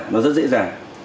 nó rất dễ dàng